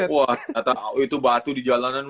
wah ternyata itu batu di jalanan